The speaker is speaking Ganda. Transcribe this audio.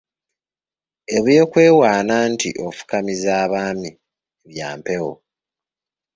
Eby’okwewaana nti ofukamiza abaami bya mpewo.